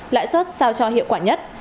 lãi suất sao cho hiệu quả nhất